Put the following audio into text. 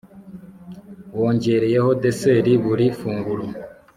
wongereyeho deseri buri funguro